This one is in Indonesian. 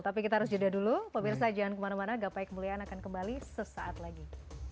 tapi kita harus jeda dulu pemirsa jangan kemana mana gapai kemuliaan akan kembali sesaat lagi